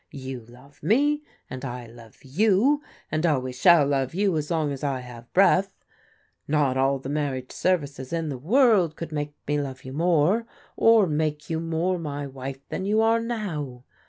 You love me and I love you, and always shall love you as long as I have breath. Not all the marriage services in the world could make me love you more, or make you more my wife than you are now.